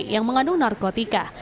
yang mengandung narkotika